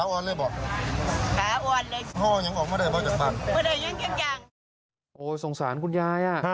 โอ้โหสงสารคุณยาย